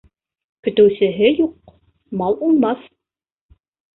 Көтөүсеһе юҡ мал уңмаҫ